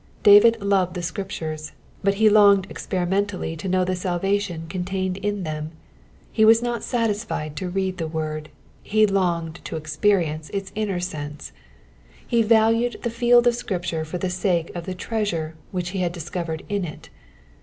David loved the Scriptures, but be longed experimentally to know the salvation contained in them : be was not satislied to read the word, he longed to experience its inner sense. He valued the field of Scripture for the sake of the treasure which he had dis covered in it.